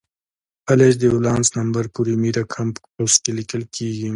فلز د ولانس نمبر په رومي رقم په قوس کې لیکل کیږي.